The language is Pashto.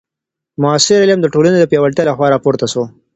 معاصر علم د ټولني د پیاوړتیا له خوا راپورته سو.